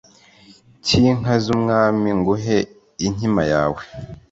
cy'inka z'umwami nguhe inkima yawe